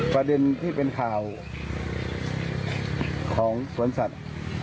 ประเด็นที่เป็นข่าวของสวนสัตว์